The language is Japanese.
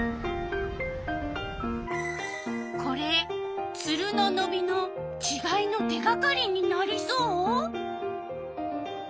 これツルののびのちがいの手がかりになりそう？